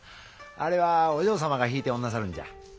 あれはお嬢様が弾いておんなさるんじゃ。